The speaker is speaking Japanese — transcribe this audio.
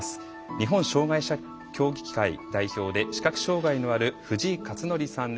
日本障害者協議会代表で視覚障害のある藤井克徳さんです。